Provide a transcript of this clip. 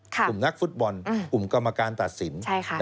กลุ่มนักฟุตบอลกลุ่มกรรมการตัดสิน